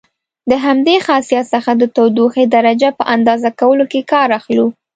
د همدې خاصیت څخه د تودوخې درجې په اندازه کولو کې کار اخلو.